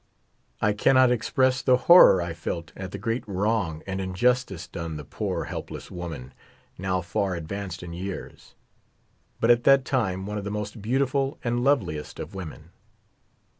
I cannot express the horror I felt at the great wrong and injustice done the poor, helpless woman, now far advanced in years ; but at that time one of the most beautiful and loveliest of women.